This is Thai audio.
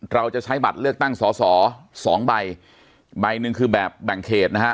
เราจะใช้บัตรเลือกตั้งสอสอสองใบใบหนึ่งคือแบบแบ่งเขตนะฮะ